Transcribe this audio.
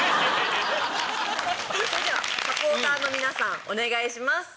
それではサポーターの皆さんお願いします。